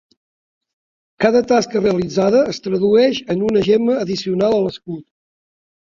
Cada tasca realitzada es tradueix en una gemma addicional a l'escut.